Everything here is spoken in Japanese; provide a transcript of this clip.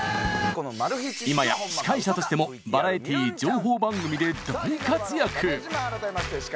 今や司会者としてもバラエティー情報番組で大活躍。